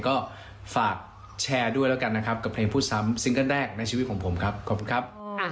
ก็ฝากแชร์ด้วยกับเพลงพูดซ้ำซิงเกิ้ลแรกในชีวิตของผมขอบคุณครับ